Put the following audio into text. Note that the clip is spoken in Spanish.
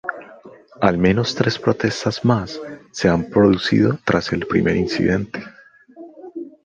Al menos tres protestas más se han producido tras el primer incidente.